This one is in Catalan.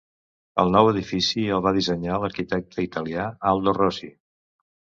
El nou edifici el va dissenyar l'arquitecte italià Aldo Rossi.